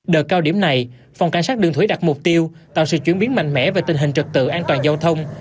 đợt cao điểm này phòng cảnh sát đường thủy đặt mục tiêu tạo sự chuyển biến mạnh mẽ về tình hình trật tự an toàn giao thông